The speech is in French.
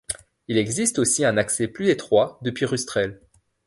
Il existe aussi un accès plus étroit depuis Rustrel.